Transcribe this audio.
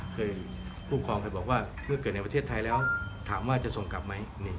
ผู้ครองเคยบอกว่าเมื่อเกิดในประเทศไทยแล้วถามว่าจะส่งกลับไหม